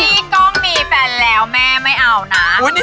กล้องมีแฟนแล้วแม่ไม่เอานะ